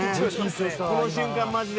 この瞬間マジで。